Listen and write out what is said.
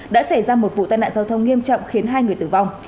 đã xảy ra một vụ tai nạn giao thông nghiêm trọng khiến hai người tử vong